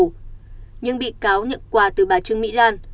nhưng bị cáo nhận quà từ bà trương mỹ lan